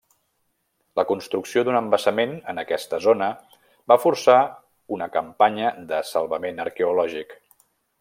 La construcció d'un embassament en aquesta zona va forçar una campanya de salvament arqueològic.